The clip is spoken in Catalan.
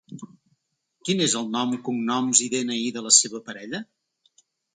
Quin és el nom, cognoms i de-ena-i de la seva parella?